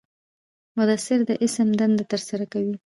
مصدر د اسم دنده ترسره کوي.